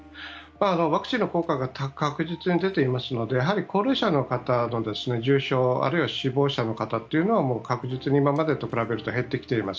ワクチンの効果が確実に出ていますのでやはり高齢者の方の重症あるいは死亡者の方というのはもう確実に今までと比べると減ってきています。